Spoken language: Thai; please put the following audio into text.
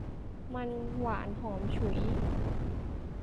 มันหวานหอมฉุย